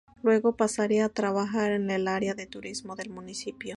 Luego pasaría a trabajar en el área de turismo del municipio.